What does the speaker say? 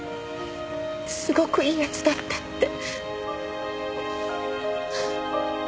すごくいい奴だったって。